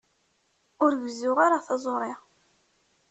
Ur gezzuɣ ara taẓuri.